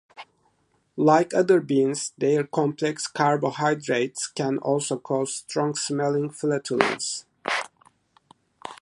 Like other beans, their complex carbohydrates can also cause strong-smelling flatulence.